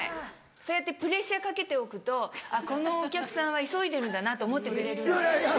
そうやってプレッシャーかけておくとこのお客さんは急いでるんだなと思ってくれるので。